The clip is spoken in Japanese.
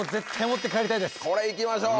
これいきましょう。